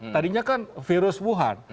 tadinya kan virus wuhan